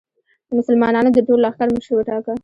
د مسلمانانو د ټول لښکر مشر وټاکه.